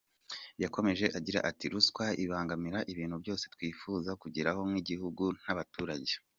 Yakomeje agira ati “Ruswa ibangamira ibintu byose twifuza kugeraho nk’igihugu n’abaturage.